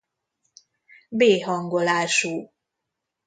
B hangolású.